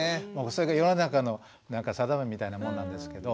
それが世の中の定めみたいなもんなんですけど。